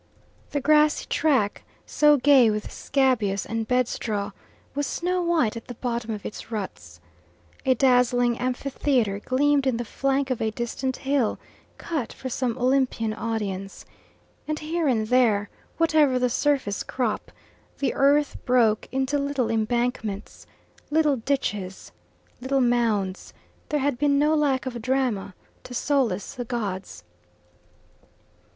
The grassy track, so gay with scabious and bedstraw, was snow white at the bottom of its ruts. A dazzling amphitheatre gleamed in the flank of a distant hill, cut for some Olympian audience. And here and there, whatever the surface crop, the earth broke into little embankments, little ditches, little mounds: there had been no lack of drama to solace the gods.